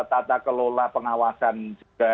tata kelola pengawasan juga